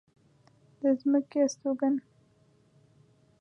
د ځمکې استوگن